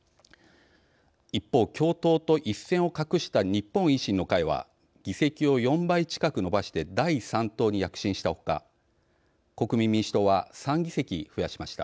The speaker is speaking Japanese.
一方共闘と一線を画した日本維新の会は議席を４倍近く伸ばして第３党に躍進したほか国民民主党は３議席増やしました。